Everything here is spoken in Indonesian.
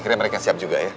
akhirnya mereka siap juga ya